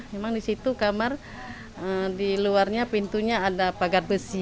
memang di situ kamar di luarnya pintunya ada pagar besi